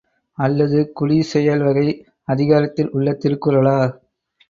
அல்லது குடிசெயல்வகை அதிகாரத்தில் உள்ள திருக்குறளா?